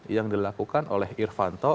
yang dilakukan oleh irvanto